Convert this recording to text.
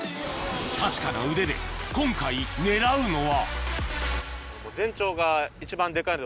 確かな腕で今回狙うのは２ｍ！